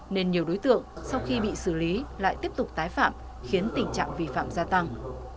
nên nhiều đối tượng sau khi bị xử lý lại tiếp tục tái phạm khiến tình trạng vi phạm gia tăng